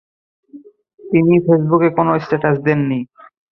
তিনি ফেসবুকে কোনো স্ট্যাটাস দেননি।